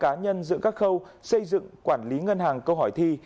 cá nhân giữa các khâu xây dựng quản lý ngân hàng câu hỏi thi